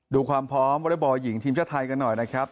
ดูความพร้อมวอเล็กบอลหญิงทีมชาติไทยกันหน่อยนะครับ